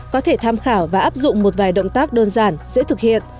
có thể tham khảo và áp dụng một vài động tác đơn giản dễ thực hiện